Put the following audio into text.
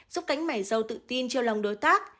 giúp cánh mẻ dâu tự tin treo lòng đối tác